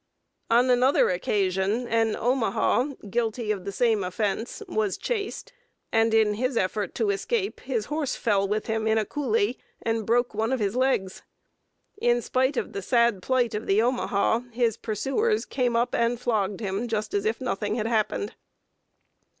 On another occasion an Omaha, guilty of the same offense, was chased, and in his effort to escape his horse fell with him in a coulée and broke one of his legs. In spite of the sad plight of the Omaha, his pursuers came up and flogged him, just as if nothing had happened.